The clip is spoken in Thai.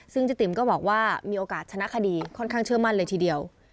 ซึ่งเจ๊ติ๋มก็บอกว่ามีโอกาสชนะคดีค่อนข้างเชื่อมั่นเลยทีเดียว